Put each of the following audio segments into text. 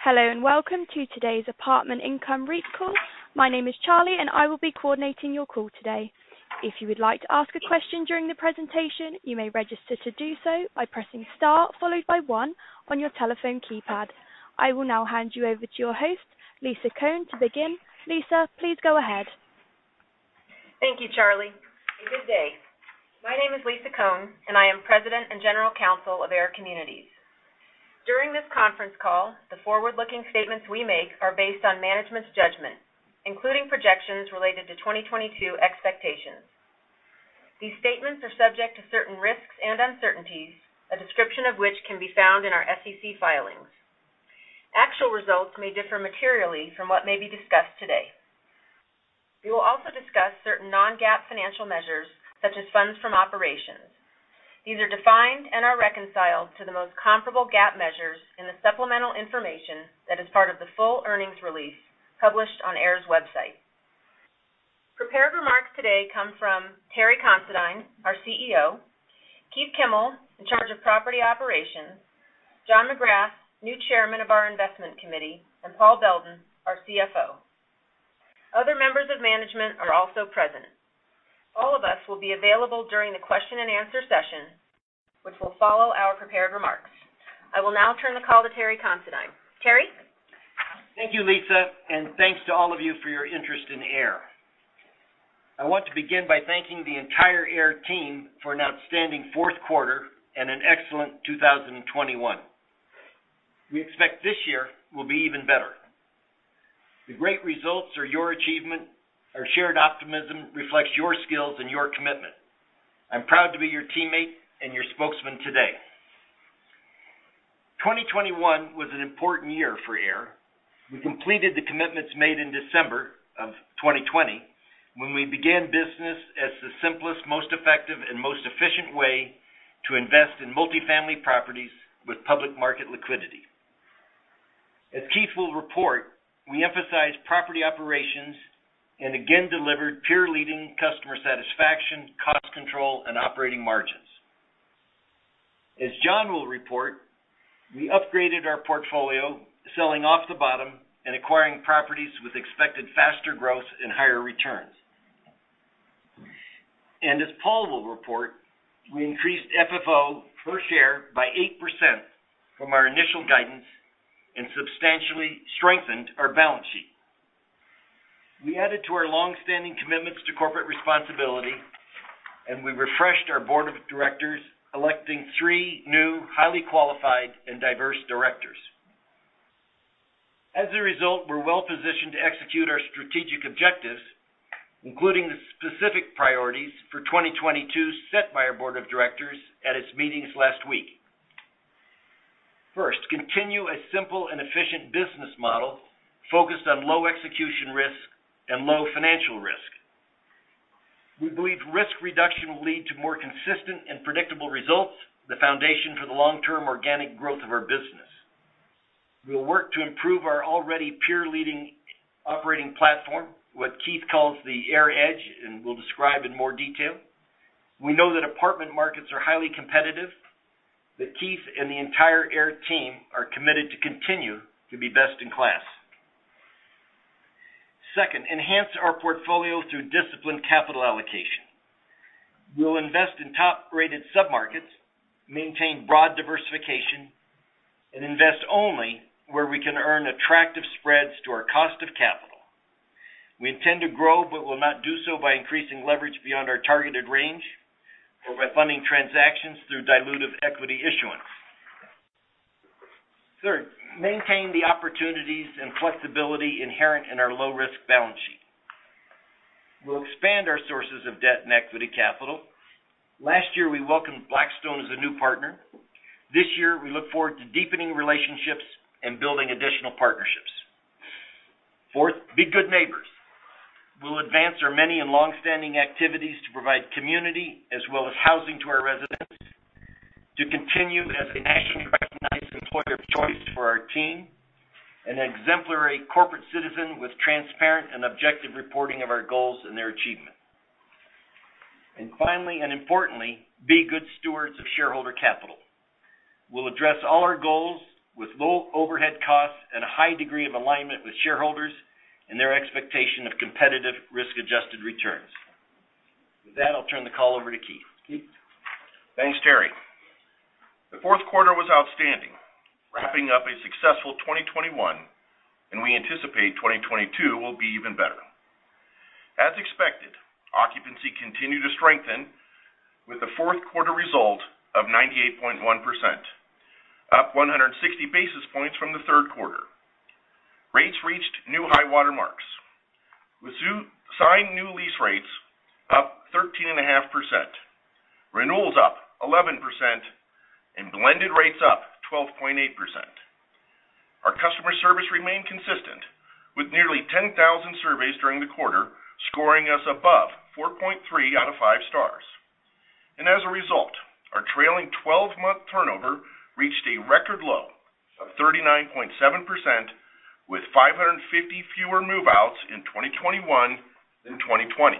Hello, and welcome to today's Apartment Income REIT Call. My name is Charlie, and I will be coordinating your call today. If you would like to ask a question during the presentation, you may register to do so by pressing star followed by one on your telephone keypad. I will now hand you over to your host, Lisa Cohn, to begin. Lisa, please go ahead. Thank you, Charlie, and good day. My name is Lisa Cohn, and I am President and General Counsel of AIR Communities. During this conference call, the forward-looking statements we make are based on management's judgment, including projections related to 2022 expectations. These statements are subject to certain risks and uncertainties, a description of which can be found in our SEC filings. Actual results may differ materially from what may be discussed today. We will also discuss certain non-GAAP financial measures, such as funds from operations. These are defined and are reconciled to the most comparable GAAP measures in the supplemental information that is part of the Full Earnings Release published on AIR's website. Prepared remarks today come from Terry Considine, our CEO, Keith Kimmel, in charge of property operations, John McGrath, new Chairman of our Investment Committee, and Paul Beldin, our CFO. Other members of management are also present. All of us will be available during the question and answer session, which will follow our prepared remarks. I will now turn the call to Terry Considine. Terry. Thank you, Lisa, and thanks to all of you for your interest in AIR. I want to begin by thanking the entire AIR team for an outstanding fourth quarter and an excellent 2021. We expect this year will be even better. The great results are your achievement. Our shared optimism reflects your skills and your commitment. I'm proud to be your teammate and your spokesman today. 2021 was an important year for AIR. We completed the commitments made in December of 2020, when we began business as the simplest, most effective, and most efficient way to invest in multi-family properties with public market liquidity. As Keith will report, we emphasize property operations and again delivered peer-leading customer satisfaction, cost control, and operating margins. As John will report, we upgraded our portfolio, selling off the bottom and acquiring properties with expected faster growth and higher returns. As Paul will report, we increased FFO per share by 8% from our initial guidance and substantially strengthened our balance sheet. We added to our long-standing commitments to corporate responsibility, and we refreshed our board of directors, electing three new highly qualified and diverse directors. As a result, we're well-positioned to execute our strategic objectives, including the specific priorities for 2022 set by our board of directors at its meetings last week. First, continue a simple and efficient business model focused on low execution risk and low financial risk. We believe risk reduction will lead to more consistent and predictable results, the foundation for the long-term organic growth of our business. We will work to improve our already peer-leading operating platform, what Keith calls the AIR Edge, and we'll describe in more detail. We know that apartment markets are highly competitive, that Keith and the entire AIR team are committed to continue to be best in class. Second, enhance our portfolio through disciplined capital allocation. We'll invest in top-rated submarkets, maintain broad diversification, and invest only where we can earn attractive spreads to our cost of capital. We intend to grow, but will not do so by increasing leverage beyond our targeted range or by funding transactions through dilutive equity issuance. Third, maintain the opportunities and flexibility inherent in our low-risk balance sheet. We'll expand our sources of debt and equity capital. Last year, we welcomed Blackstone as a new partner. This year, we look forward to deepening relationships and building additional partnerships. Fourth, be good neighbors. We'll advance our many and longstanding activities to provide community as well as housing to our residents. To continue as a nationally recognized employer of choice for our team and an exemplary corporate citizen with transparent and objective reporting of our goals and their achievement. Finally, and importantly, be good stewards of shareholder capital. We'll address all our goals with low overhead costs and a high degree of alignment with shareholders and their expectation of competitive risk-adjusted returns. With that, I'll turn the call over to Keith. Thanks, Terry. The fourth quarter was outstanding, wrapping up a successful 2021, and we anticipate 2022 will be even better. As expected, occupancy continued to strengthen with a fourth-quarter result of 98.1%, up 160 basis points from the third quarter. Rates reached new high-water marks with signed new lease rates up 13.5%, renewals up 11%, and blended rates up 12.8%. Our customer service remained consistent with nearly 10,000 surveys during the quarter, scoring us above 4.3 out of five stars. As a result, our trailing twelve-month turnover reached a record low of 39.7% with 550 fewer move-outs in 2021 than 2020.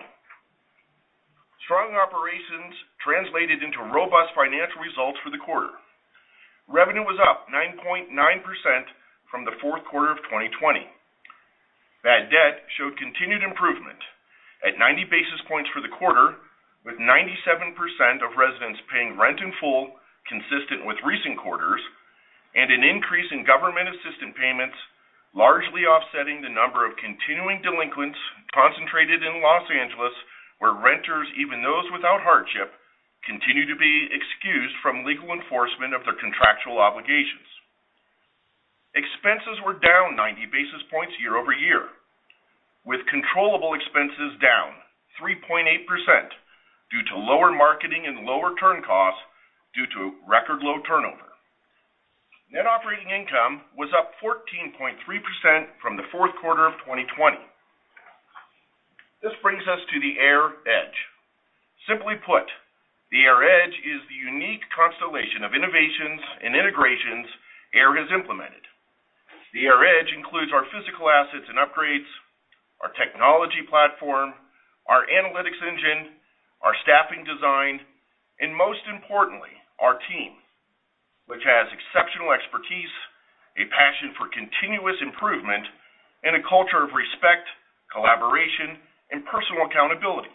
Strong operations translated into robust financial results for the quarter. Revenue was up 9.9% from the fourth quarter of 2020. Bad debt showed continued improvement at 90 basis points for the quarter, with 97% of residents paying rent in full, consistent with recent quarters, and an increase in government assistance payments, largely offsetting the number of continuing delinquents concentrated in Los Angeles, where renters, even those without hardship, continue to be excused from legal enforcement of their contractual obligations. Expenses were down 90 basis points year over year, with controllable expenses down 3.8% due to lower marketing and lower turn costs due to record low turnover. Net operating income was up 14.3% from the fourth quarter of 2020. This brings us to the AIR Edge. Simply put, the AIR Edge is the unique constellation of innovations and integrations AIR has implemented. The AIR Edge includes our physical assets and upgrades, our technology platform, our analytics engine, our staffing design, and most importantly, our team, which has exceptional expertise, a passion for continuous improvement, and a culture of respect, collaboration, and personal accountability.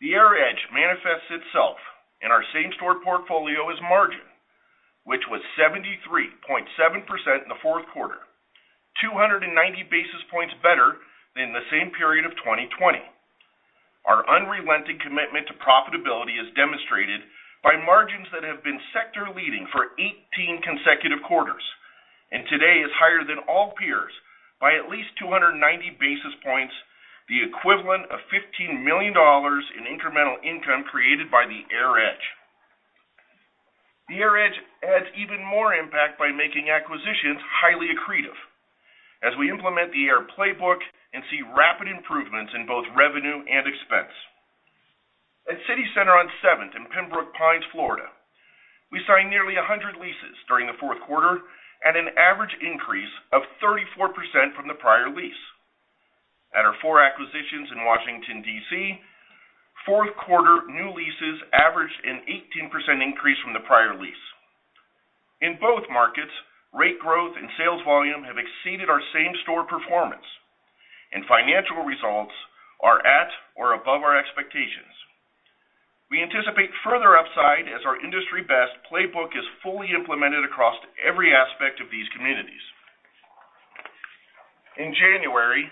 The AIR Edge manifests itself in our same-store portfolio as margin, which was 73.7% in the fourth quarter, 290 basis points better than the same period of 2020. Our unrelenting commitment to profitability is demonstrated by margins that have been sector leading for 18 consecutive quarters, and today is higher than all peers by at least 290 basis points, the equivalent of $15 million in incremental income created by the AIR Edge. The AIR Edge adds even more impact by making acquisitions highly accretive as we implement the AIR playbook and see rapid improvements in both revenue and expense. At City Center on Seventh in Pembroke Pines, Florida, we signed nearly 100 leases during the fourth quarter at an average increase of 34% from the prior lease. At our 4 acquisitions in Washington, D.C., fourth quarter new leases averaged an 18% increase from the prior lease. In both markets, rate growth and sales volume have exceeded our same-store performance, and financial results are at or above our expectations. We anticipate further upside as our industry-best playbook is fully implemented across every aspect of these communities. In January,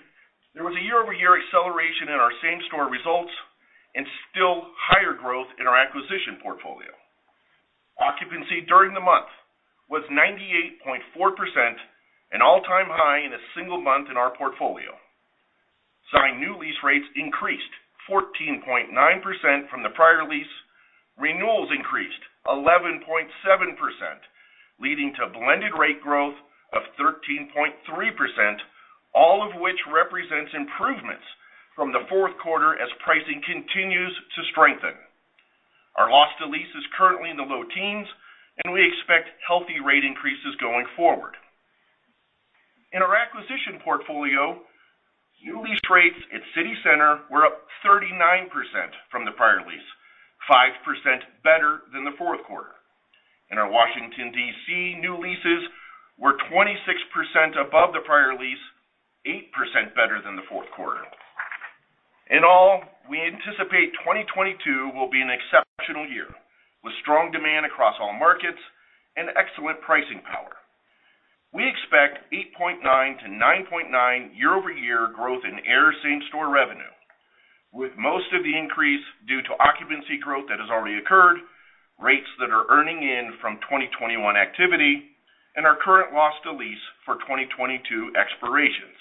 there was a year-over-year acceleration in our same-store results and still higher growth in our acquisition portfolio. Occupancy during the month was 98.4%, an all-time high in a single month in our portfolio. Signed new lease rates increased 14.9% from the prior lease. Renewals increased 11.7%, leading to blended rate growth of 13.3%, all of which represents improvements from the fourth quarter as pricing continues to strengthen. Our loss to lease is currently in the low teens and we expect healthy rate increases going forward. In our acquisition portfolio, new lease rates at City Center were up 39% from the prior lease, 5% better than the fourth quarter. In our Washington, D.C., new leases were 26% above the prior lease, 8% better than the fourth quarter. In all, we anticipate 2022 will be an exceptional year with strong demand across all markets and excellent pricing power. We expect 8.9%-9.9% year-over-year growth in AIR same-store revenue, with most of the increase due to occupancy growth that has already occurred, rates that are earning in from 2021 activity, and our current loss to lease for 2022 expirations.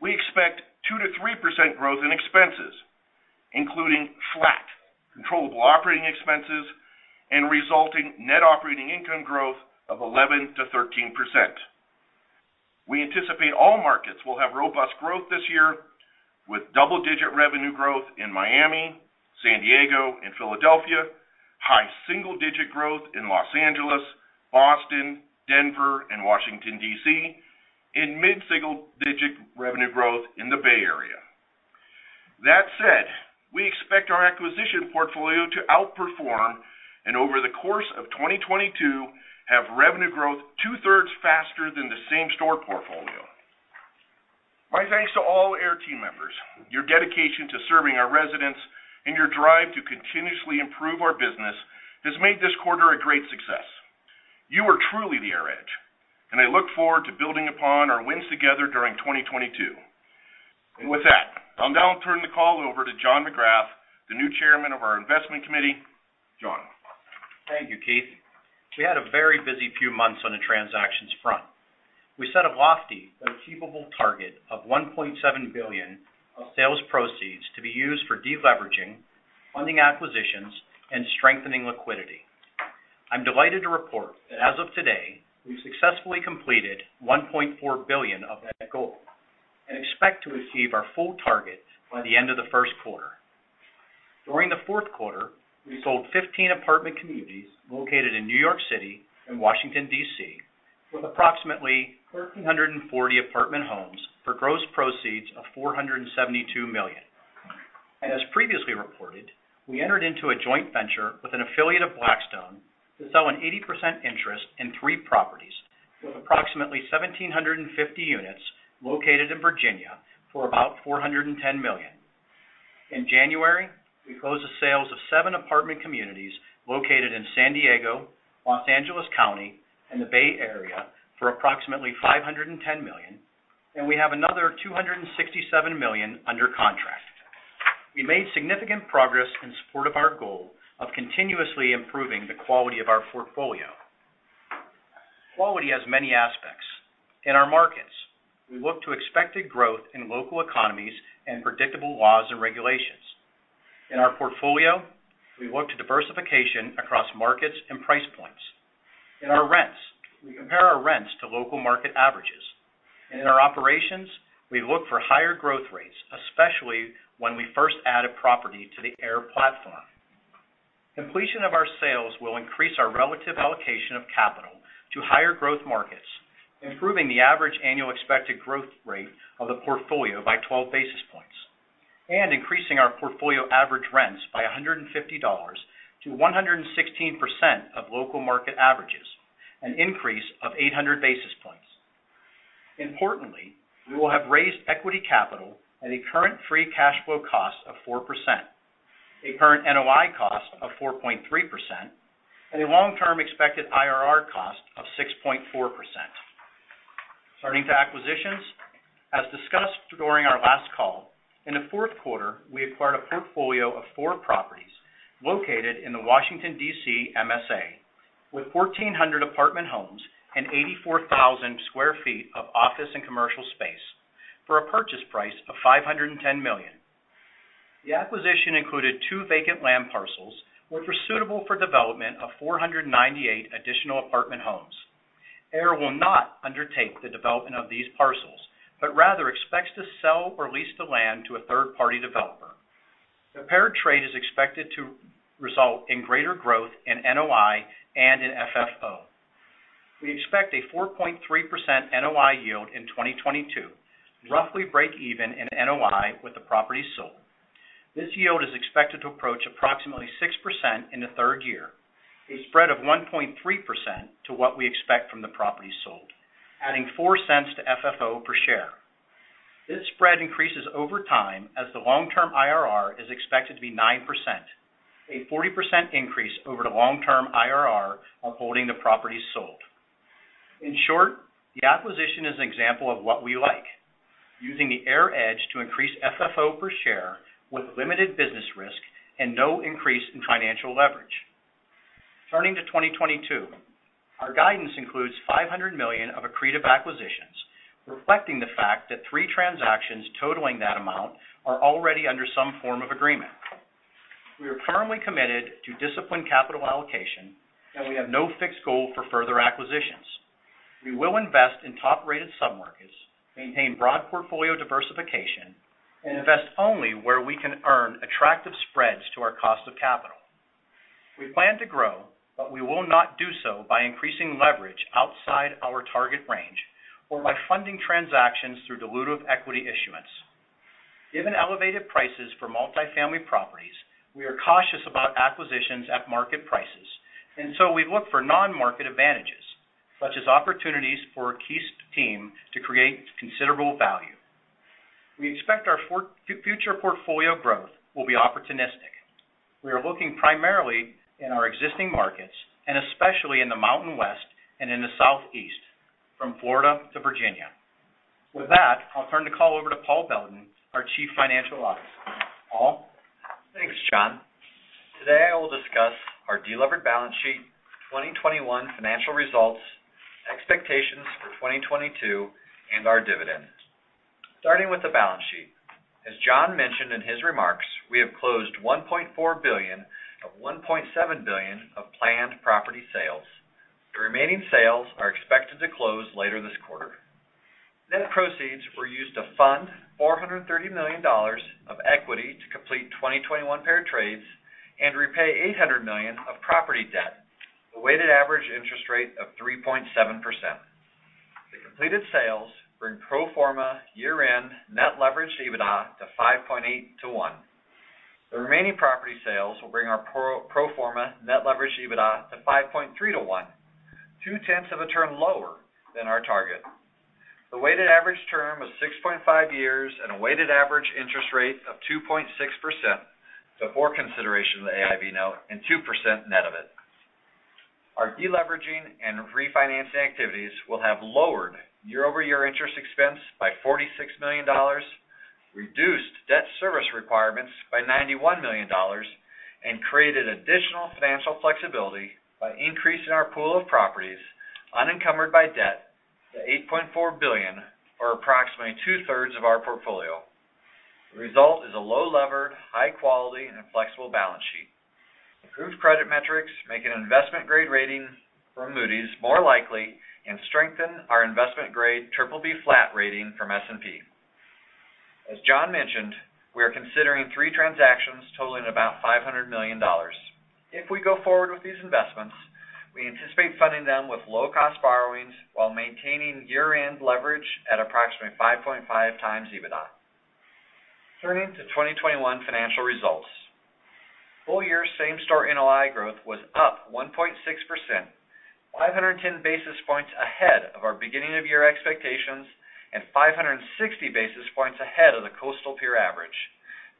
We expect 2%-3% growth in expenses, including flat controllable operating expenses and resulting net operating income growth of 11%-13%. We anticipate all markets will have robust growth this year with double-digit revenue growth in Miami, San Diego, and Philadelphia, high single-digit growth in Los Angeles, Boston, Denver, and Washington, D.C., and mid-single digit revenue growth in the Bay Area. That said, we expect our acquisition portfolio to outperform and over the course of 2022 have revenue growth two-thirds faster than the same store portfolio. My thanks to all AIR team members. Your dedication to serving our residents and your drive to continuously improve our business has made this quarter a great success. You are truly the AIR Edge, and I look forward to building upon our wins together during 2022. With that, I'll now turn the call over to John McGrath, the new Chairman of our Investment Committee. John. Thank you, Keith. We had a very busy few months on the transactions front. We set a lofty but achievable target of $1.7 billion of sales proceeds to be used for deleveraging, funding acquisitions, and strengthening liquidity. I'm delighted to report that as of today, we've successfully completed $1.4 billion of that goal and expect to achieve our full target by the end of the first quarter. During the fourth quarter, we sold 15 apartment communities located in New York City and Washington, D.C., with approximately 1,340 apartment homes for gross proceeds of $472 million. As previously reported, we entered into a joint venture with an affiliate of Blackstone to sell an 80% interest in three properties with approximately 1,750 units located in Virginia for about $410 million. In January, we closed the sales of seven apartment communities located in San Diego, Los Angeles County, and the Bay Area for approximately $510 million, and we have another $267 million under contract. We made significant progress in support of our goal of continuously improving the quality of our portfolio. Quality has many aspects. In our markets, we look to expected growth in local economies and predictable laws and regulations. In our portfolio, we look to diversification across markets and price points. In our rents, we compare our rents to local market averages. In our operations, we look for higher growth rates, especially when we first add a property to the AIR platform. Completion of our sales will increase our relative allocation of capital to higher growth markets, improving the average annual expected growth rate of the portfolio by 12 basis points, and increasing our portfolio average rents by $150 to 116% of local market averages, an increase of 800 basis points. Importantly, we will have raised equity capital at a current free cash flow cost of 4%, a current NOI cost of 4.3%, and a long-term expected IRR cost of 6.4%. Turning to acquisitions. As discussed during our last call, in the fourth quarter, we acquired a portfolio of four properties located in the Washington, D.C. MSA, with 1,400 apartment homes and 84,000 sq ft of office and commercial space for a purchase price of $510 million. The acquisition included two vacant land parcels, which were suitable for development of 498 additional apartment homes. AIR will not undertake the development of these parcels, but rather expects to sell or lease the land to a third-party developer. The paired trade is expected to result in greater growth in NOI and in FFO. We expect a 4.3% NOI yield in 2022, roughly break even in NOI with the property sold. This yield is expected to approach approximately 6% in the third year, a spread of 1.3% to what we expect from the property sold, adding $0.04 to FFO per share. This spread increases over time as the long-term IRR is expected to be 9%, a 40% increase over the long-term IRR of holding the property sold. In short, the acquisition is an example of what we like, using the AIR Edge to increase FFO per share with limited business risk and no increase in financial leverage. Turning to 2022. Our guidance includes $500 million of accretive acquisitions, reflecting the fact that three transactions totaling that amount are already under some form of agreement. We are firmly committed to disciplined capital allocation, and we have no fixed goal for further acquisitions. We will invest in top-rated submarkets, maintain broad portfolio diversification, and invest only where we can earn attractive spreads to our cost of capital. We plan to grow, but we will not do so by increasing leverage outside our target range or by funding transactions through dilutive equity issuance. Given elevated prices for multi-family properties, we are cautious about acquisitions at market prices, and so we look for non-market advantages, such as opportunities for Keith's team to create considerable value. We expect our future portfolio growth will be opportunistic. We are looking primarily in our existing markets, and especially in the Mountain West and in the Southeast, from Florida to Virginia. With that, I'll turn the call over to Paul Beldin, our Chief Financial Officer. Paul? Thanks, John. Today, I will discuss our delevered balance sheet, 2021 Financial Results, expectations for 2022, and our dividend. Starting with the balance sheet. As John mentioned in his remarks, we have closed $1.4 billion of $1.7 billion of planned property sales. The remaining sales are expected to close later this quarter. Net proceeds were used to fund $430 million of equity to complete 2021 pair trades and repay $800 million of property debt, a weighted average interest rate of 3.7%. The completed sales bring pro forma year-end net leverage EBITDA to 5.8 to 1. The remaining property sales will bring our pro forma net leverage EBITDA to 5.3 to 1, two-tenths of a turn lower than our target. The weighted average term was 6.5 years at a weighted average interest rate of 2.6% before consideration of the AIV note and 2% net of it. Our deleveraging and refinancing activities will have lowered year-over-year interest expense by $46 million, reduced debt service requirements by $91 million, and created additional financial flexibility by increasing our pool of properties unencumbered by debt to $8.4 billion, or approximately two-thirds of our portfolio. The result is a low-levered, high quality, and a flexible balance sheet. Improved credit metrics make an investment-grade rating from Moody's more likely and strengthen our investment-grade BBB flat rating from S&P. As John mentioned, we are considering three transactions totaling about $500 million. If we go forward with these investments, we anticipate funding them with low-cost borrowings while maintaining year-end leverage at approximately 5.5x EBITDA. Turning to 2021 financial results. Full-year same-store NOI growth was up 1.6%, 510 basis points ahead of our beginning-of-year expectations, and 560 basis points ahead of the coastal peer average.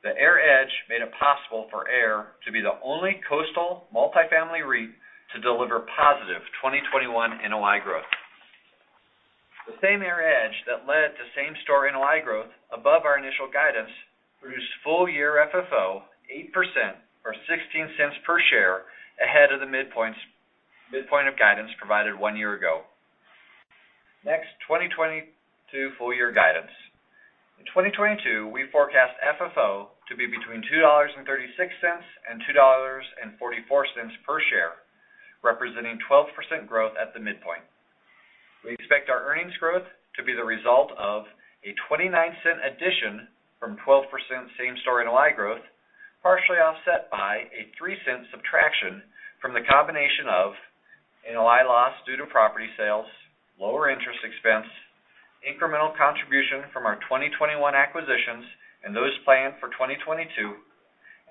The AIR Edge made it possible for AIR to be the only coastal multifamily REIT to deliver positive 2021 NOI growth. The same AIR Edge that led to same-store NOI growth above our initial guidance reduced full-year FFO 8% or 16 cents per share ahead of the midpoint of guidance provided one year ago. Next, 2022 full-year guidance. In 2022, we forecast FFO to be between $2.36 and $2.44 per share, representing 12% growth at the midpoint. We expect our earnings growth to be the result of a $0.29 addition from 12% same-store NOI growth, partially offset by a $0.03 subtraction from the combination of NOI loss due to property sales, lower interest expense, incremental contribution from our 2021 acquisitions and those planned for 2022,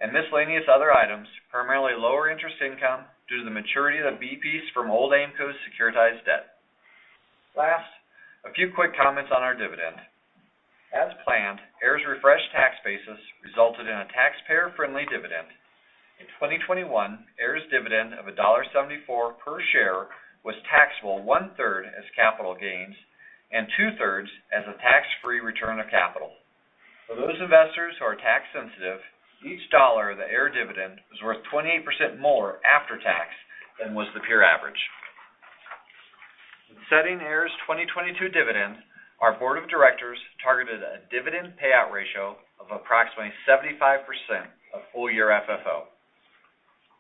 and miscellaneous other items, primarily lower interest income due to the maturity of the basis points from old Aimco securitized debt. Last, a few quick comments on our dividend. As planned, AIR's refreshed tax basis resulted in a taxpayer-friendly dividend. In 2021, AIR's dividend of $1.74 per share was taxable one-third as capital gains and two-thirds as a tax-free return of capital. For those investors who are tax sensitive, each dollar of the AIR dividend is worth 28% more after tax than was the peer average. In setting AIR's 2022 dividend, our board of directors targeted a dividend payout ratio of approximately 75% of full-year FFO.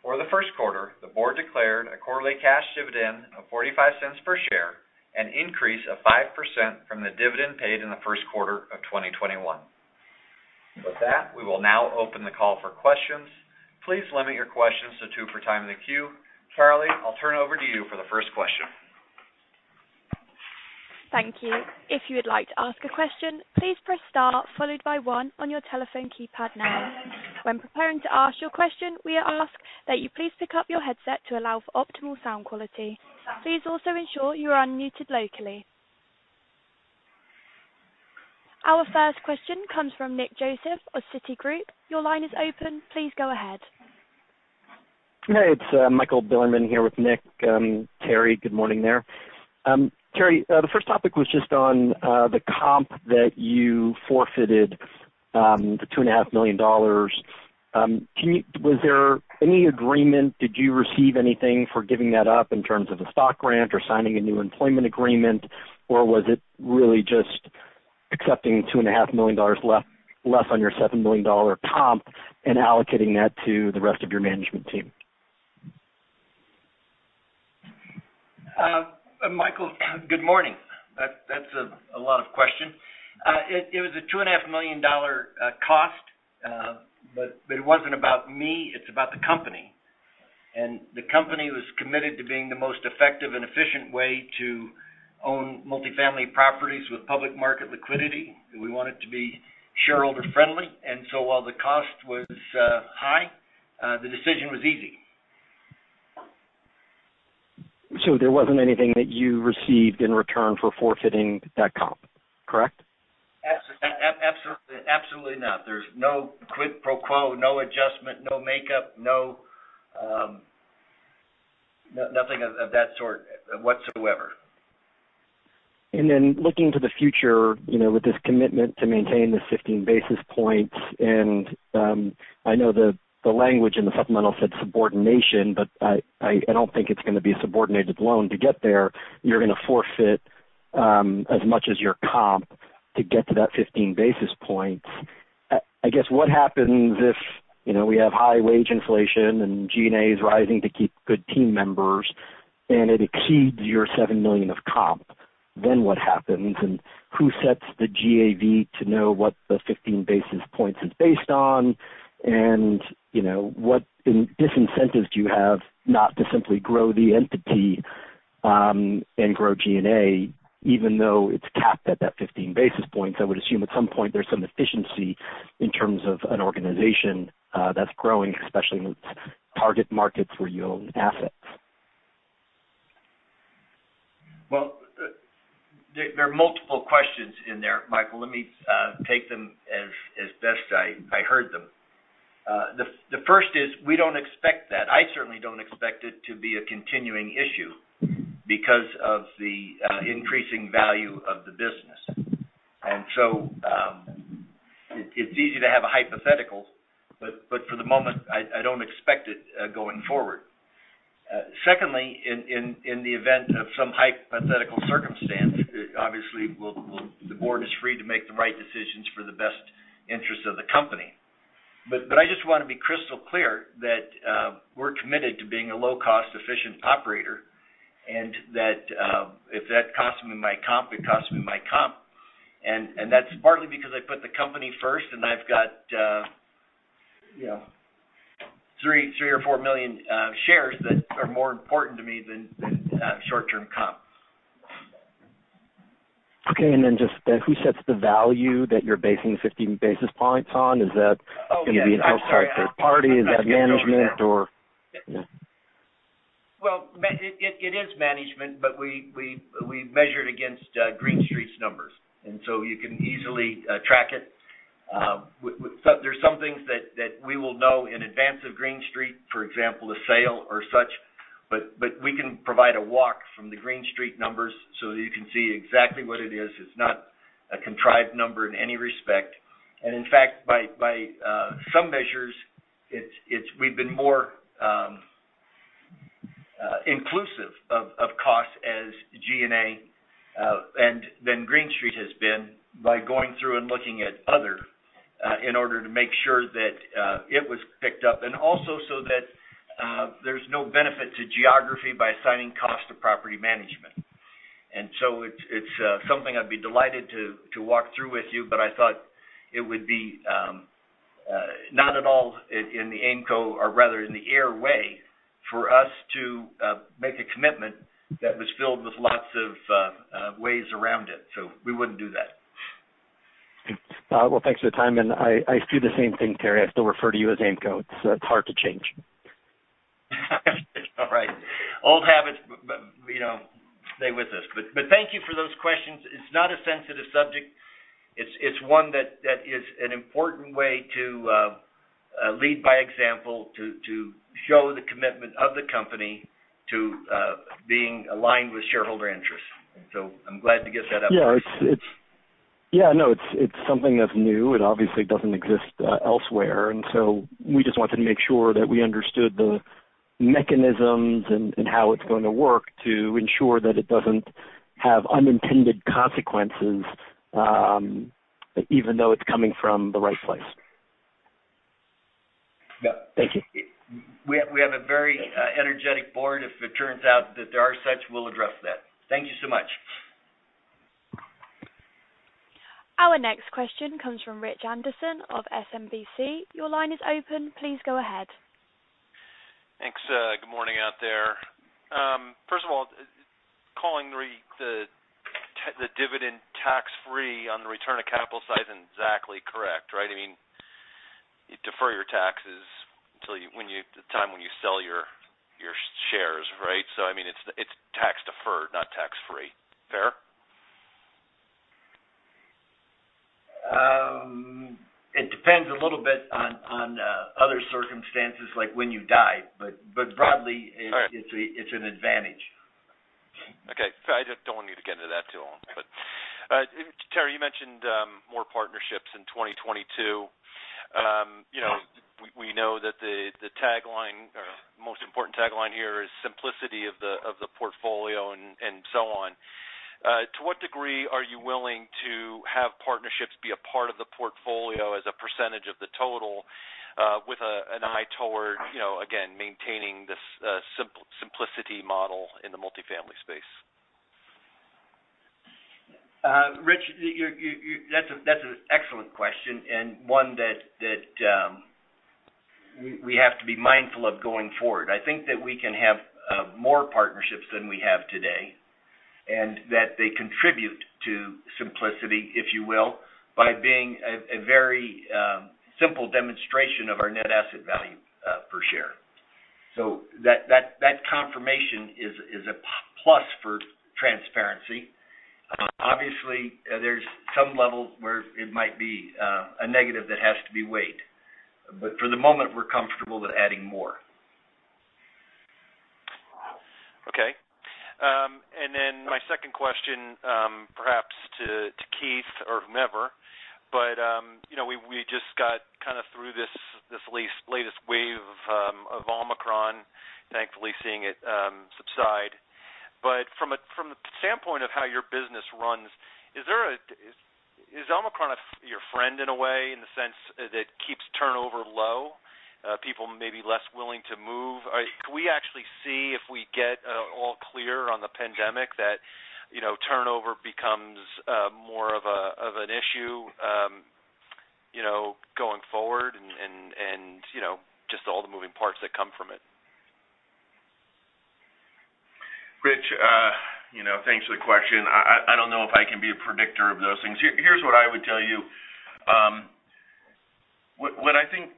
For the first quarter, the board declared a quarterly cash dividend of $0.45 per share, an increase of 5% from the dividend paid in the first quarter of 2021. With that, we will now open the call for questions. Please limit your questions to two at a time in the queue. Charlie, I'll turn over to you for the first question. Thank you. If you would like to ask a question, please press star followed by one on your telephone keypad now. When preparing to ask your question, we ask that you please pick up your headset to allow for optimal sound quality. Please also ensure you are unmuted locally. Our first question comes from Nick Joseph of Citigroup. Your line is open. Please go ahead. Hey, it's Michael Bilerman here with Nick. Terry, good morning there. Terry, the first topic was just on the comp that you forfeited, the $2.5 million. Was there any agreement? Did you receive anything for giving that up in terms of a stock grant or signing a new employment agreement? Or was it really just accepting $2.5 million less on your $7 million comp and allocating that to the rest of your management team? Michael, good morning. That's a lot of questions. It was a $2.5 million cost. It wasn't about me, it's about the company. The company was committed to being the most effective and efficient way to own multifamily properties with public market liquidity. We want it to be shareholder friendly. While the cost was high, the decision was easy. There wasn't anything that you received in return for forfeiting that comp, correct? Absolutely, absolutely not. There's no quid pro quo, no adjustment, no makeup, no nothing of that sort whatsoever. Looking to the future, you know, with this commitment to maintain this 15 basis points, I know the language in the supplemental said subordination, but I don't think it's gonna be a subordinated loan. To get there, you're gonna forfeit as much as your comp to get to that 15 basis points. I guess what happens if, you know, we have high wage inflation and G&A is rising to keep good team members and it exceeds your $7 million of comp, then what happens? Who sets the GAV to know what the 15 basis points is based on? What disincentives do you have not to simply grow the entity and grow G&A, even though it's capped at that 15 basis points? I would assume at some point there's some efficiency in terms of an organization, that's growing, especially in its target markets where you own assets. Well, there are multiple questions in there, Michael. Let me take them as best I heard them. The first is we don't expect that. I certainly don't expect it to be a continuing issue because of the increasing value of the business. It's easy to have a hypothetical, but for the moment, I don't expect it going forward. Secondly, in the event of some hypothetical circumstance, obviously, the board is free to make the right decisions for the best interest of the company. I just want to be crystal clear that we're committed to being a low-cost efficient operator, and that if that costs me my comp, it costs me my comp. That's partly because I put the company first, and I've got you know, three or four million shares that are more important to me than short-term comp. Okay. Just then who sets the value that you're basing 15 basis points on? Is that- Oh, yes. I'm sorry. Gonna be an outside third party? Is that management or? Yeah. Well, it is management, but we measure it against Green Street's numbers, and so you can easily track it. There's some things that we will know in advance of Green Street, for example, a sale or such, but we can provide a walk from the Green Street numbers so that you can see exactly what it is. It's not a contrived number in any respect. In fact, by some measures, we've been more inclusive of costs as G&A than Green Street has been by going through and looking at other in order to make sure that it was picked up, and also so that there's no benefit to geography by assigning cost to property management. It's something I'd be delighted to walk through with you, but I thought it would be not at all in the Aimco or rather in the AIR way for us to make a commitment that was filled with lots of ways around it. We wouldn't do that. Well, thanks for your time. I do the same thing, Terry. I still refer to you as Aimco. It's hard to change. All right. Old habits, but, you know, stay with us. Thank you for those questions. It's not a sensitive subject. It's one that is an important way to lead by example to show the commitment of the company to being aligned with shareholder interests. I'm glad to get that up. Yeah. It's something that's new. It obviously doesn't exist elsewhere. We just wanted to make sure that we understood the mechanisms and how it's going to work to ensure that it doesn't have unintended consequences, even though it's coming from the right place. Yeah. Thank you. We have a very energetic board. If it turns out that there are such, we'll address that. Thank you so much. Our next question comes from Rich Anderson of SMBC. Your line is open. Please go ahead. Thanks. Good morning out there. First of all, calling the dividend tax-free on the return of capital side isn't exactly correct, right? I mean, you defer your taxes until the time when you sell your shares, right? I mean, it's tax deferred, not tax-free. Fair? It depends a little bit on other circumstances like when you die. All right. It's an advantage. Okay. I just don't want you to get into that too long. Terry, you mentioned more partnerships in 2022. You know, we know that the tagline or most important tagline here is simplicity of the portfolio and so on. To what degree are you willing to have partnerships be a part of the portfolio as a percentage of the total, with an eye toward, you know, again, maintaining this simplicity model in the multifamily space? Rich, that's an excellent question and one that we have to be mindful of going forward. I think that we can have more partnerships than we have today, and that they contribute to simplicity, if you will, by being a very simple demonstration of our net asset value per share. That confirmation is a plus for transparency. Obviously, there's some level where it might be a negative that has to be weighed. For the moment, we're comfortable with adding more. Okay. My second question, perhaps to Keith or whomever. You know, we just got kind of through this latest wave of Omicron, thankfully seeing it subside. From the standpoint of how your business runs, is there Is Omicron your friend in a way, in the sense that it keeps turnover low, people may be less willing to move? Can we actually see if we get all clear on the pandemic that you know, turnover becomes more of an issue, you know, going forward and you know, just all the moving parts that come from it? Rich, you know, thanks for the question. I don't know if I can be a predictor of those things. Here's what I would tell you. What I think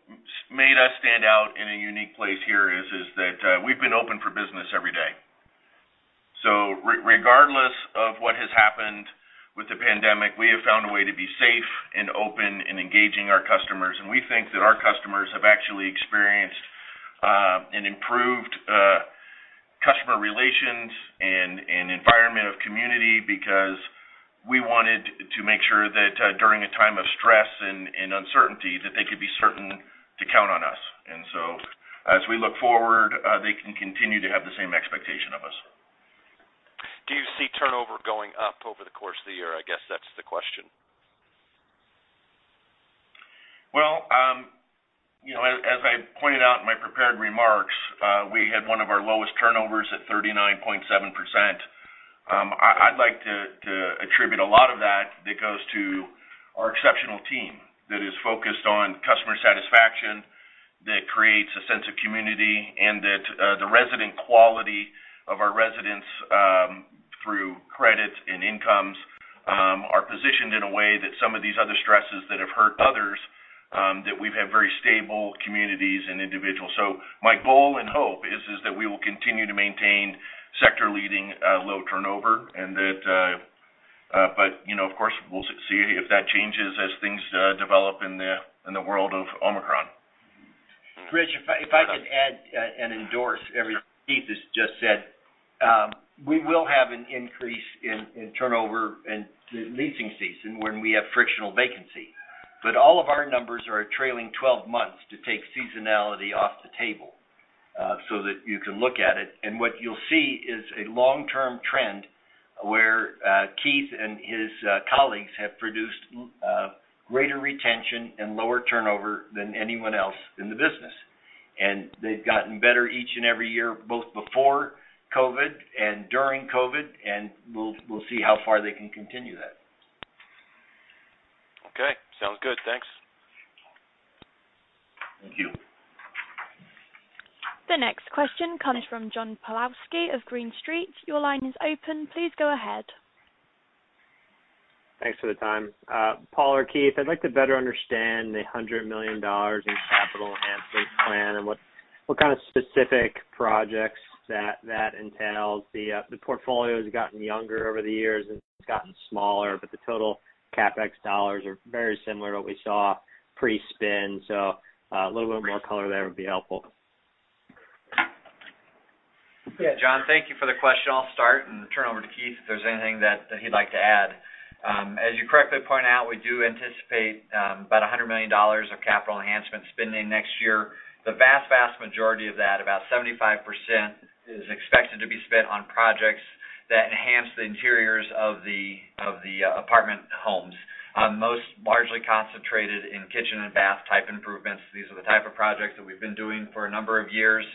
made us stand out in a unique place here is that we've been open for business every day. Regardless of what has happened with the pandemic, we have found a way to be safe and open in engaging our customers. We think that our customers have actually experienced an improved customer relations and an environment of community because we wanted to make sure that during a time of stress and uncertainty, that they could be certain to count on us. As we look forward, they can continue to have the same expectation of us. Do you see turnover going up over the course of the year? I guess that's the question. Well, you know, as I pointed out in my prepared remarks, we had one of our lowest turnovers at 39.7%. I'd like to attribute a lot of that that goes to our exceptional team that is focused on customer satisfaction, that creates a sense of community, and that the resident quality of our residents through credits and incomes are positioned in a way that some of these other stresses that have hurt others that we've had very stable communities and individuals. My goal and hope is that we will continue to maintain sector-leading low turnover and that, but, you know, of course, we'll see if that changes as things develop in the world of Omicron. Rich, if I could add and endorse everything Keith has just said. We will have an increase in turnover in the leasing season when we have frictional vacancy. All of our numbers are a trailing twelve months to take seasonality off the table, so that you can look at it. What you'll see is a long-term trend where Keith and his colleagues have produced greater retention and lower turnover than anyone else in the business. They've gotten better each and every year, both before COVID and during COVID, and we'll see how far they can continue that. Okay. Sounds good. Thanks. Thank you. The next question comes from John Pawlowski of Green Street. Your line is open. Please go ahead. Thanks for the time. Paul or Keith, I'd like to better understand the $100 million in capital enhancement plan, and what kind of specific projects that entails. The portfolio's gotten younger over the years, and it's gotten smaller, but the total CapEx dollars are very similar to what we saw pre-spin. A little bit more color there would be helpful. Yeah, John, thank you for the question. I'll start and turn over to Keith if there's anything that he'd like to add. As you correctly point out, we do anticipate about $100 million of capital enhancement spending next year. The vast majority of that, about 75%, is expected to be spent on projects that enhance the interiors of the apartment homes. Most largely concentrated in kitchen and bath type improvements. These are the type of projects that we've been doing for a number of years,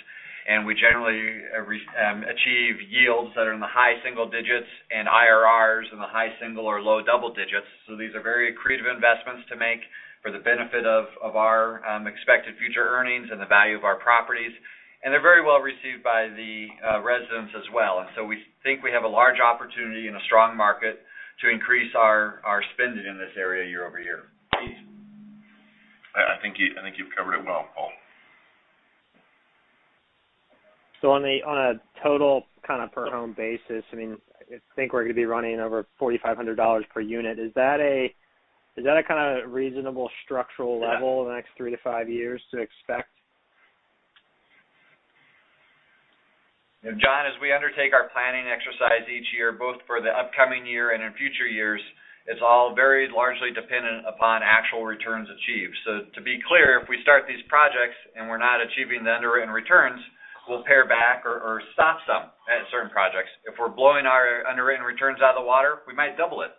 and we generally achieve yields that are in the high single digits and IRRs in the high single or low double digits. These are very accretive investments to make for the benefit of our expected future earnings and the value of our properties. They're very well received by the residents as well. We think we have a large opportunity in a strong market to increase our spending in this area year over year. Keith? I think you've covered it well, Paul. on a total kind of per home basis, I mean, I think we're gonna be running over $4,500 per unit. Is that a kinda reasonable structural level? Yeah. in the next three to five years to expect? You know, John, as we undertake our planning exercise each year, both for the upcoming year and in future years, it's all very largely dependent upon actual returns achieved. To be clear, if we start these projects and we're not achieving the underwritten returns, we'll pare back or stop some at certain projects. If we're blowing our underwritten returns out of the water, we might double it.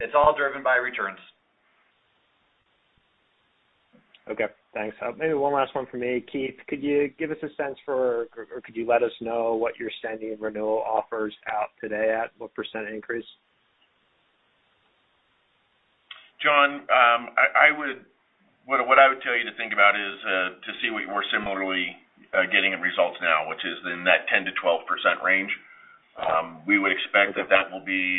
It's all driven by returns. Okay. Thanks. Maybe one last one from me. Keith, could you give us a sense for, or could you let us know what you're standing renewal offers out today at? What % increase? John, what I would tell you to think about is to see what we're similarly getting in results now, which is in that 10%-12% range. We would expect that will be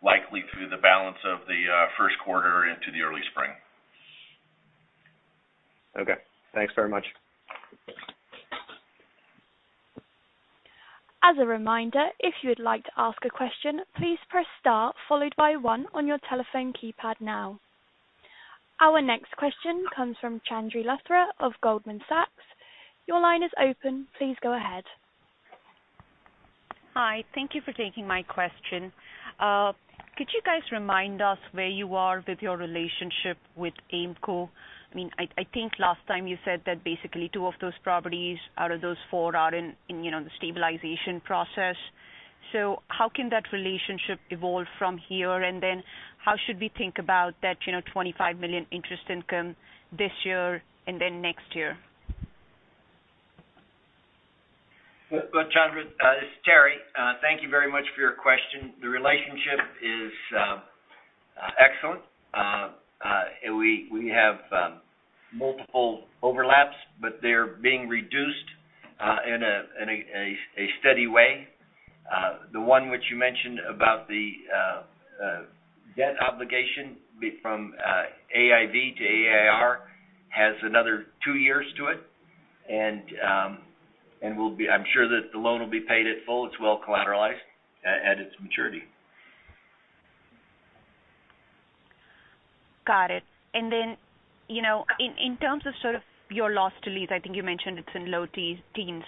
likely through the balance of the first quarter into the early spring. Okay. Thanks very much. As a reminder, if you would like to ask a question, please press star followed by one on your telephone keypad now. Our next question comes from Chandni Luthra of Goldman Sachs. Your line is open. Please go ahead. Hi. Thank you for taking my question. Could you guys remind us where you are with your relationship with Aimco? I mean, I think last time you said that basically two of those properties out of those four are in, you know, the stabilization process. How can that relationship evolve from here? How should we think about that, you know, $25 million interest income this year and then next year? Well, Chandni, this is Terry. Thank you very much for your question. The relationship is excellent. We have multiple overlaps, but they're being reduced in a steady way. The one which you mentioned about the debt obligation from Aimco to AIR has another two years to it. I'm sure that the loan will be paid in full, it's well collateralized at its maturity. Got it. Then, you know, in terms of sort of your loss to lease, I think you mentioned it's in low teens.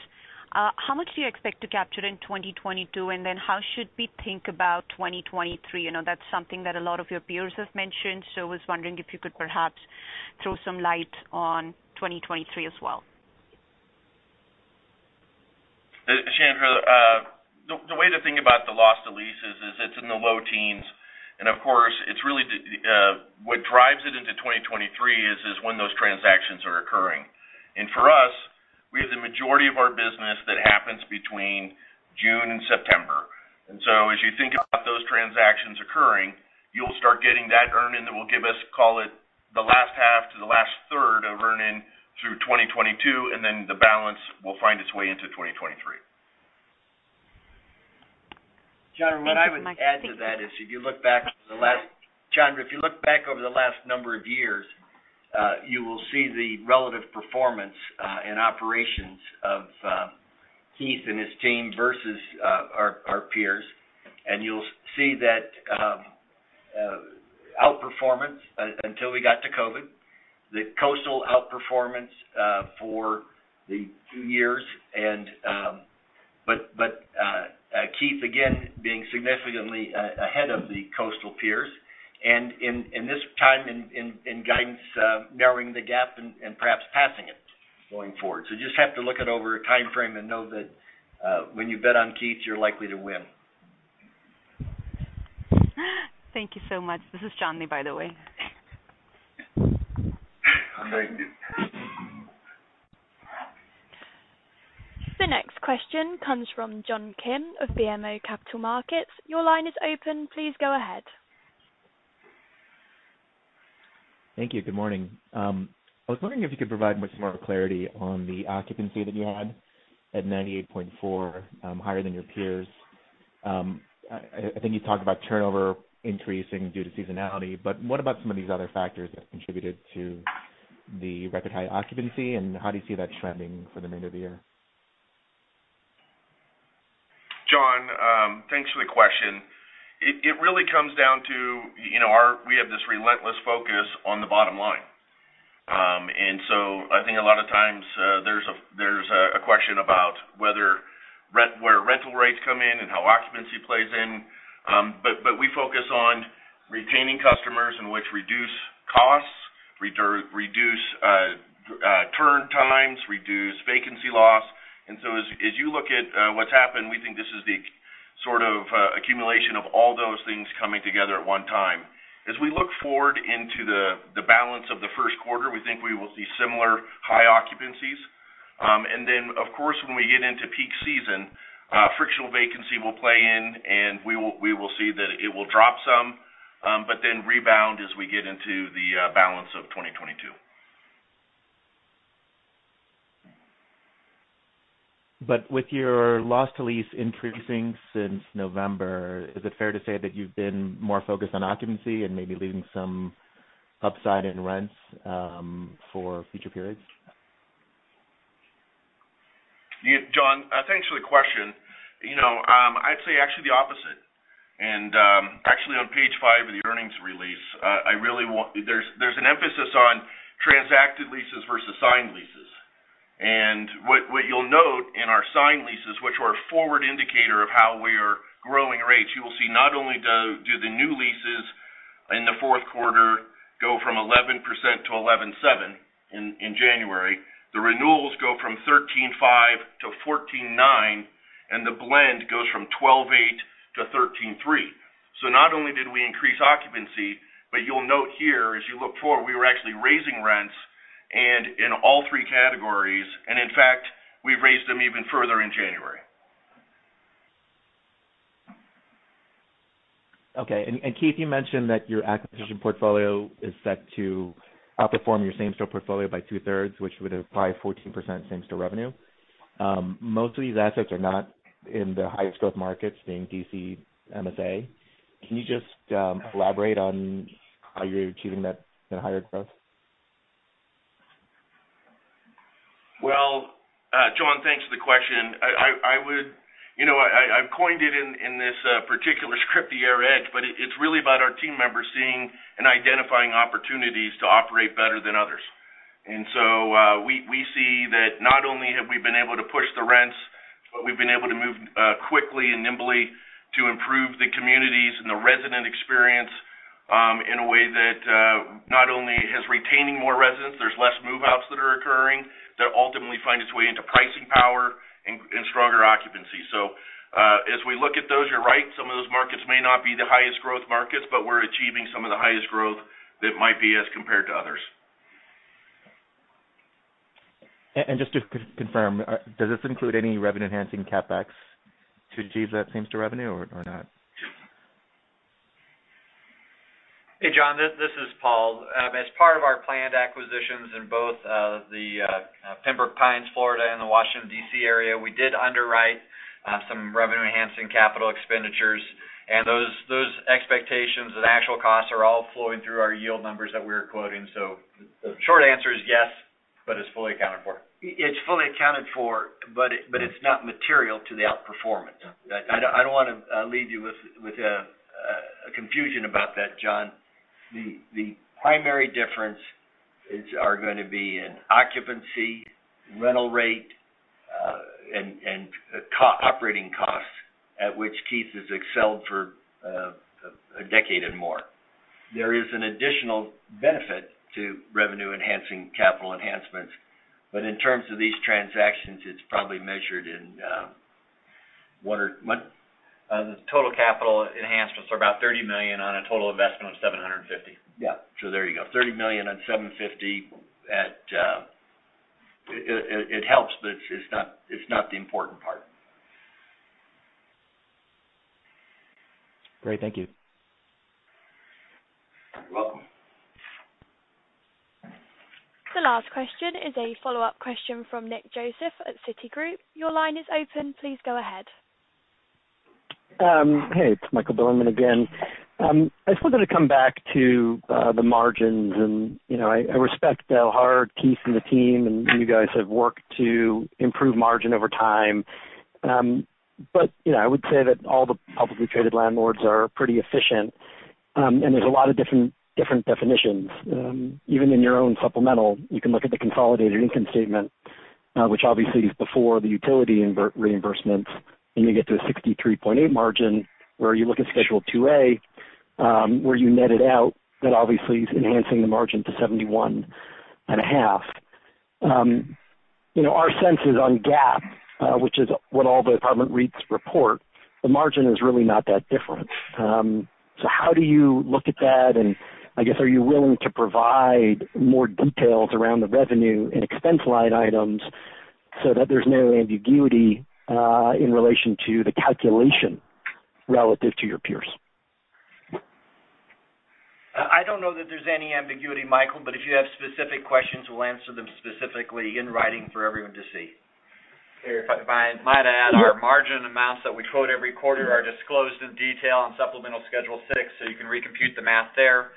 How much do you expect to capture in 2022? How should we think about 2023? You know, that's something that a lot of your peers have mentioned. I was wondering if you could perhaps throw some light on 2023 as well. Chandni, the way to think about the loss to lease is it's in the low teens. Of course, it's really what drives it into 2023 is when those transactions are occurring. For us, we have the majority of our business that happens between June and September. As you think about those transactions occurring, you'll start getting that earn-in that will give us, call it, the last half to the last third of earn-in through 2022, and then the balance will find its way into 2023. Chandni, what I would add to that is if you look back at the last- Thank you so much. Thank you. Chandni, if you look back over the last number of years, you will see the relative performance and operations of Keith and his team versus our peers. You'll see that outperformance until we got to COVID, the coastal outperformance for the two years. Keith, again, being significantly ahead of the coastal peers, and in this time in guidance, narrowing the gap and perhaps passing it going forward. You just have to look at over a timeframe and know that when you bet on Keith, you're likely to win. Thank you so much. This is Chandni, by the way. Thank you. The next question comes from John Kim of BMO Capital Markets. Your line is open. Please go ahead. Thank you. Good morning. I was wondering if you could provide much more clarity on the occupancy that you had at 98.4%, higher than your peers. I think you talked about turnover increasing due to seasonality, but what about some of these other factors that contributed to the record high occupancy, and how do you see that trending for the remainder of the year? John, thanks for the question. It really comes down to, you know, our relentless focus on the bottom line. I think a lot of times, there's a question about whether rental rates come in and how occupancy plays in. We focus on retaining customers in which reduce costs, reduce turn times, reduce vacancy loss. As you look at what's happened, we think this is the sort of accumulation of all those things coming together at one time. As we look forward into the balance of the first quarter, we think we will see similar high occupancies. Of course, when we get into peak season, frictional vacancy will play in, and we will see that it will drop some, but then rebound as we get into the balance of 2022. with your loss to lease increasing since November, is it fair to say that you've been more focused on occupancy and maybe leaving some upside in rents, for future periods? Yeah. John, thanks for the question. You know, I'd say actually the opposite. Actually, on page 5 of the earnings release, there's an emphasis on transacted leases versus signed leases. What you'll note in our signed leases, which are a forward indicator of how we are growing rates, you will see not only do the new leases in the fourth quarter go from 11% to 11.7% in January, the renewals go from 13.5 to 14.9, and the blend goes from 12.8 to 13.3. Not only did we increase occupancy, but you'll note here, as you look forward, we were actually raising rents in all three categories. In fact, we've raised them even further in January. Okay. Keith, you mentioned that your acquisition portfolio is set to outperform your same-store portfolio by two-thirds, which would imply 14% same-store revenue. Most of these assets are not in the highest growth markets, being D.C. MSA. Can you just elaborate on how you're achieving that higher growth? Well, John, thanks for the question. You know, I've coined it in this particular script here, Edge, but it's really about our team members seeing and identifying opportunities to operate better than others. We see that not only have we been able to push the rents, but we've been able to move quickly and nimbly to improve the communities and the resident experience, in a way that not only is retaining more residents, there's less move-outs that are occurring, that ultimately find its way into pricing power and stronger occupancy. As we look at those, you're right, some of those markets may not be the highest growth markets, but we're achieving some of the highest growth that might be as compared to others. Just to confirm, does this include any revenue-enhancing CapEx to achieve that same store revenue or not? Hey, John, this is Paul. As part of our planned acquisitions in both the Pembroke Pines, Florida and the Washington, D.C. area, we did underwrite some revenue-enhancing capital expenditures. Those expectations and actual costs are all flowing through our yield numbers that we're quoting. The short answer is yes, but it's fully accounted for. It's fully accounted for, but it's not material to the outperformance. Yeah. I don't wanna leave you with a confusion about that, John. The primary difference are gonna be in occupancy, rental rate operating costs at which Keith has excelled for a decade and more. There is an additional benefit to revenue-enhancing capital enhancements. In terms of these transactions, it's probably measured in what are mon- The total capital enhancements are about $30 million on a total investment of $750 million. Yeah. There you go, $30 million on $750. It helps, but it's not the important part. Great. Thank you. You're welcome. The last question is a follow-up question from Nick Joseph at Citigroup. Your line is open. Please go ahead. Hey, it's Michael Bilerman again. I just wanted to come back to the margins and, you know, I respect how hard Keith and the team and you guys have worked to improve margin over time. You know, I would say that all the publicly traded landlords are pretty efficient. There's a lot of different definitions. Even in your own supplemental, you can look at the consolidated income statement, which obviously is before the utility reimbursements, and you get to a 63.8% margin. Where you look at Schedule 2A, where you net it out, that obviously is enhancing the margin to 71.5%. You know, our sense is on GAAP, which is what all the apartment REITs report, the margin is really not that different. How do you look at that? I guess, are you willing to provide more details around the revenue and expense line items so that there's no ambiguity in relation to the calculation relative to your peers? I don't know that there's any ambiguity, Michael, but if you have specific questions, we'll answer them specifically in writing for everyone to see. If I might add, our margin amounts that we quote every quarter are disclosed in detail on supplemental schedule six, so you can recompute the math there.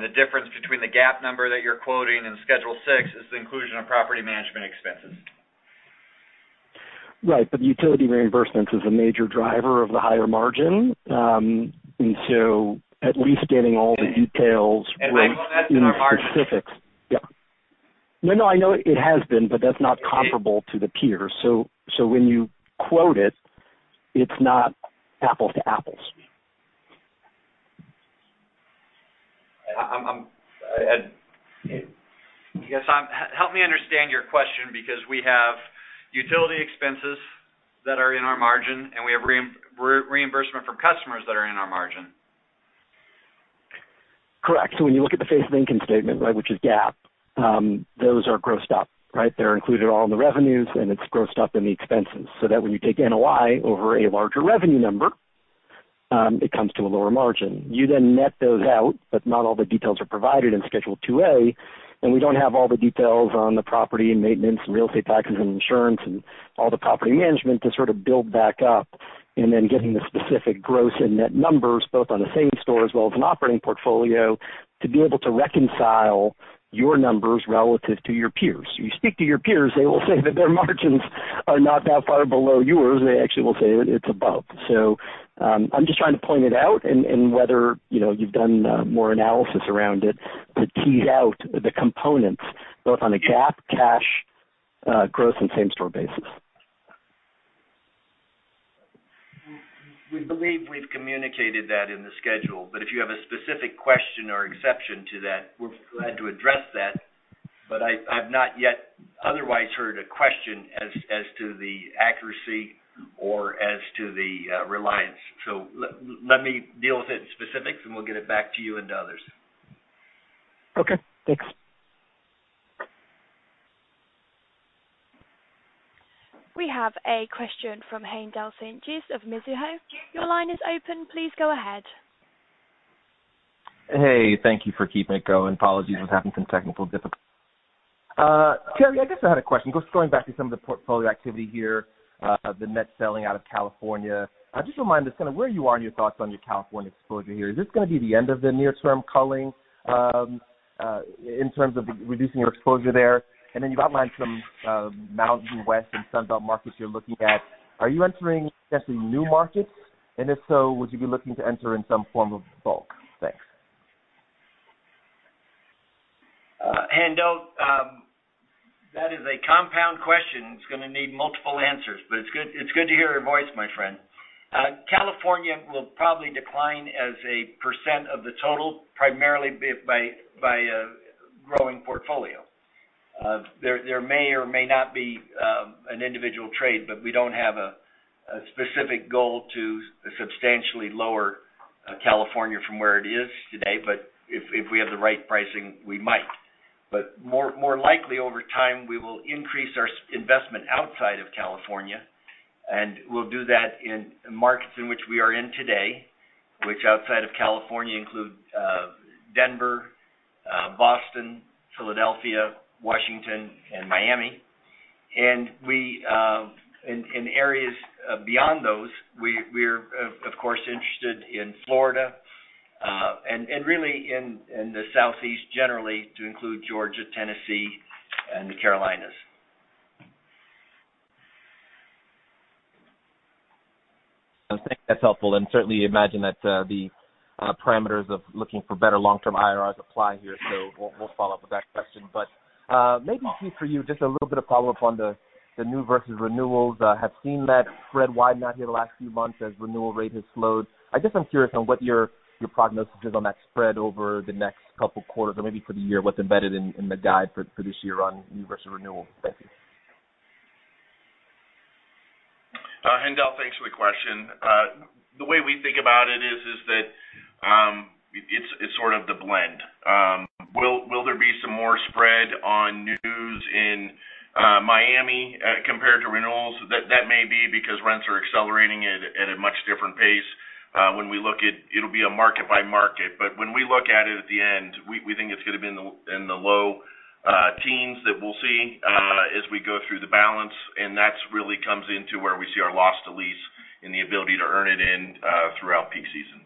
The difference between the GAAP number that you're quoting and schedule 6 is the inclusion of property management expenses. Right. Utility reimbursements is a major driver of the higher margin. At least getting all the details. Michael, that's in our margin. in specifics. Yeah. No, I know it has been, but that's not comparable to the peers. When you quote it's not apples to apples. Yes. Help me understand your question because we have utility expenses that are in our margin, and we have reimbursement from customers that are in our margin. Correct. When you look at the face of income statement, right, which is GAAP, those are grossed up, right? They're included all in the revenues, and it's grossed up in the expenses, so that when you take NOI over a larger revenue number, it comes to a lower margin. You then net those out, but not all the details are provided in Schedule 2A, and we don't have all the details on the property and maintenance and real estate taxes and insurance and all the property management to sort of build back up, and then getting the specific gross and net numbers both on the same store as well as an operating portfolio to be able to reconcile your numbers relative to your peers. You speak to your peers, they will say that their margins are not that far below yours. They actually will say it's above. I'm just trying to point it out and whether, you know, you've done more analysis around it to tease out the components both on a GAAP, cash, gross and same store basis. We believe we've communicated that in the schedule, but if you have a specific question or exception to that, we're glad to address that. I've not yet otherwise heard a question as to the accuracy or as to the reliance. Let me deal with it in specifics, and we'll get it back to you and to others. Okay, thanks. We have a question from Haendel St. Juste of Mizuho. Your line is open. Please go ahead. Hey, thank you for keeping it going. Terry, I guess I had a question. Just going back to some of the portfolio activity here, the net selling out of California. Just remind us kind of where you are and your thoughts on your California exposure here. Is this gonna be the end of the near term culling in terms of reducing your exposure there? You've outlined some Mountain West and Sun Belt markets you're looking at. Are you entering potentially new markets? And if so, would you be looking to enter in some form of bulk? Thanks. Haendel, that is a compound question. It's gonna need multiple answers, but it's good to hear your voice, my friend. California will probably decline as a percent of the total, primarily by growing portfolio. There may or may not be an individual trade, but we don't have a specific goal to substantially lower California from where it is today. But if we have the right pricing, we might. But more likely over time, we will increase our investment outside of California, and we'll do that in markets in which we are in today, which outside of California include Denver, Boston, Philadelphia, Washington, and Miami. We're in areas beyond those. We're of course interested in Florida and really in the Southeast generally to include Georgia, Tennessee, and the Carolinas. I think that's helpful, and certainly imagine that the parameters of looking for better long-term IRRs apply here. We'll follow up with that question. Maybe, Keith, for you, just a little bit of follow-up on the new versus renewals. I have seen that spread widen out here the last few months as renewal rate has slowed. I guess I'm curious on what your prognosis is on that spread over the next couple quarters or maybe for the year, what's embedded in the guide for this year on new versus renewal. Thank you. Haendel, thanks for the question. The way we think about it is that it's sort of the blend. Will there be some more spread on new in Miami compared to renewals? That may be because rents are accelerating at a much different pace. When we look at it'll be a market by market. When we look at it at the end, we think it's gonna be in the low teens that we'll see as we go through the balance. That really comes into where we see our loss to lease and the ability to earn it in throughout peak season.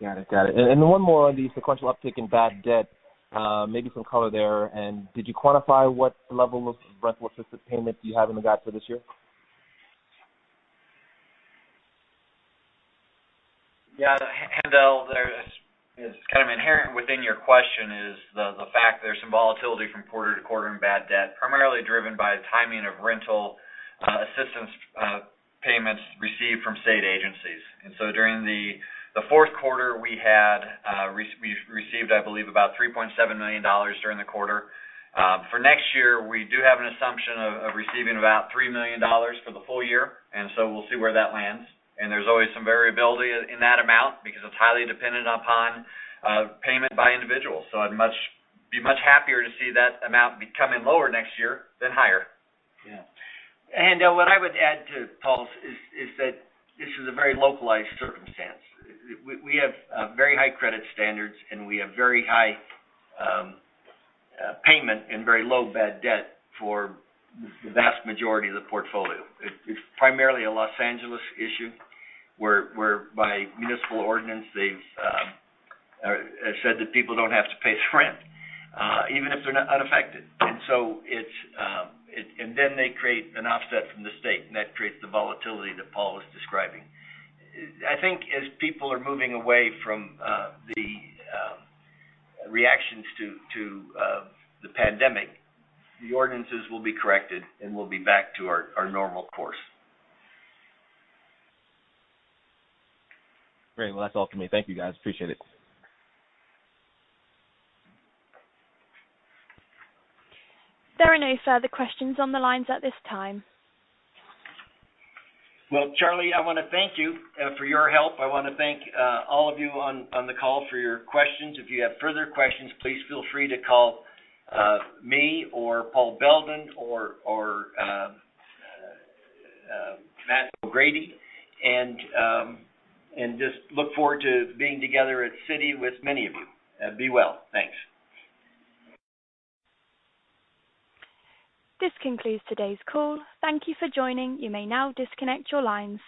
Got it. One more on the sequential uptick in bad debt, maybe some color there. Did you quantify what level of rent-assisted payment do you have in the guide for this year? Yeah, Haendel St. Juste, there's kind of inherent within your question is the fact there's some volatility from quarter to quarter in bad debt, primarily driven by timing of rental assistance payments received from state agencies. During the fourth quarter, we received, I believe, about $3.7 million during the quarter. For next year, we do have an assumption of receiving about $3 million for the full year, we'll see where that lands. There's always some variability in that amount because it's highly dependent upon payment by individuals. I'd be much happier to see that amount be coming lower next year than higher. Yeah. What I would add to Paul's is that this is a very localized circumstance. We have very high credit standards, and we have very high payment and very low bad debt for the vast majority of the portfolio. It's primarily a Los Angeles issue, where by municipal ordinance, they've said that people don't have to pay rent, even if they're not unaffected. They create an offset from the state, and that creates the volatility that Paul was describing. I think as people are moving away from the reactions to the pandemic, the ordinances will be corrected, and we'll be back to our normal course. Great. Well, that's all for me. Thank you, guys. Appreciate it. There are no further questions on the lines at this time. Well, Charlie, I wanna thank you for your help. I wanna thank all of you on the call for your questions. If you have further questions, please feel free to call me or Paul Beldin or Matthew O'Grady. Just look forward to being together at Citi with many of you. Be well. Thanks. This concludes today's call. Thank you for joining. You may now disconnect your lines.